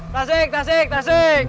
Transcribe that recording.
tasik tasik tasik